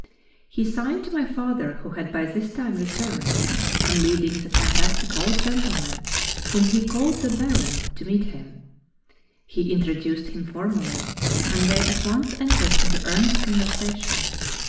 He signed to my father, who had by this time returned, and leading the fantastic old gentleman, whom he called the Baron to meet him. He introduced him formally, and they at once entered into earnest conversation.